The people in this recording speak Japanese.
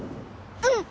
うん！